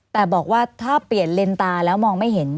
แต่บอกว่าถ้าเปลี่ยนเลนตาแล้วมองไม่เห็น